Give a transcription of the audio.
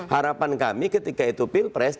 harapan kami ketika itu pilpres